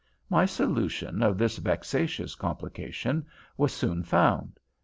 My solution of this vexatious complication was soon found.